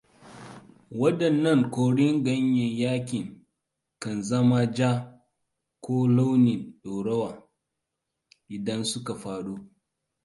Waɗannan koren ganyayyakin kan zama ja ko launin ɗorawa idan suka faɗo.